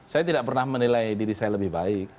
saya tidak pernah menilai diri saya lebih baik